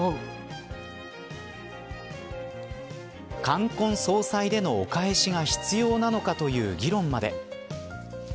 冠婚葬祭でのお返しが必要なのかという議論まで。